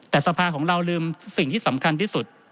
แต่สภาของเราลืมสิ่งที่สำคัญที่สุด